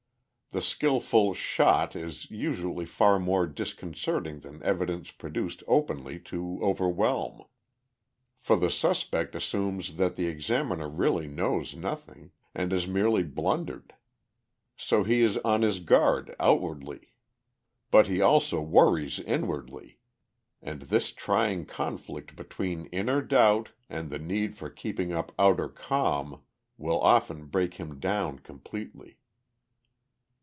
The skillful "shot" is usually far more disconcerting than evidence produced openly to overwhelm. For the suspect assumes that the examiner really knows nothing, and has merely blundered. So he is on his guard outwardly. But he also worries inwardly, and this trying conflict between inner doubt and the need for keeping up outer calm will often break him down completely.